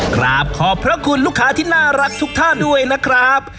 กราบขอบพระคุณลูกค้าที่น่ารักทุกท่านด้วยนะครับ